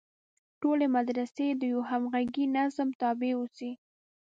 ټولې مدرسې د یوه همغږي نظام تابع اوسي.